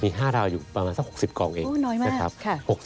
มี๕ดาวน์อยู่ประมาณสัก๖๐กองน้อยมาก